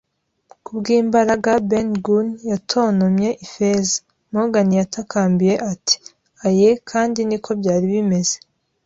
“Ku bw'imbaraga, Ben Gunn!” yatontomye Ifeza. Morgan yatakambiye ati: “Aye, kandi ni ko byari bimeze.”